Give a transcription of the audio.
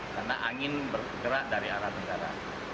karena angin bergerak dari arah tenggara